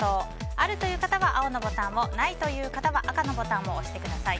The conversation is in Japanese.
あるという方は青のボタンをないという方は赤のボタンを押してください。